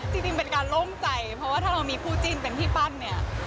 จริงเป็นการโล่งใจเพราะว่าถ้าเรามีคู่จิ้นเป็นที่ปั้นเนี่ย